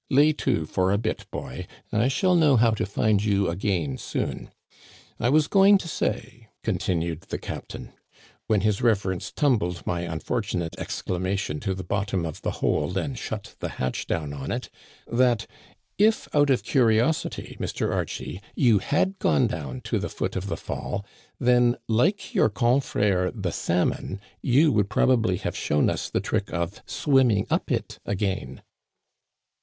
' Lay to ' for a bit, boy ; I shall know how to find you again soon. I was going to say," continued the captain, " when his reverence tumbled my unfortunate exclamation to the bottom of the hold and shut the hatch down 6n it, that if out of curiosity, Mr. Archie, you had gone down to the foot of the fall, then, like your confrere the salmon, you would probably have shown us the trick of swimming up it again."